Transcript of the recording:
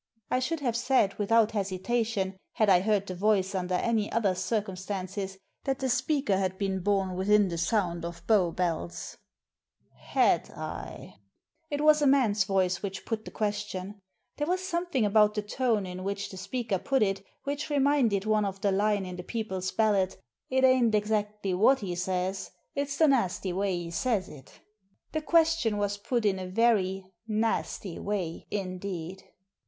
I should have said without hesitation, had I heard the voice under any other circumstances, that the speaker had been bom within the sound of Bow Bells. "Had I?" Digitized by VjOO^IC THE HOUSEBOAT 275 It was a man's voice which put the question. There was something about the tone in which the speaker put it which reminded one of the line in the people's ballad, " It ain't exactly what 'e sez, it's the nasty way 'e sez it" The question was put in a very "nasty way" indeed.